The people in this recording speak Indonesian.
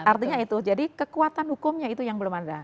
artinya itu jadi kekuatan hukumnya itu yang belum ada